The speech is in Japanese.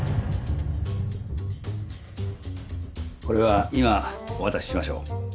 これは今お渡ししましょう。